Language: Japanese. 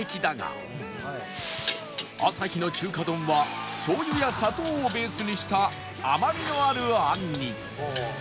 あさひの中華丼は醤油や砂糖をベースにした甘みのあるあんに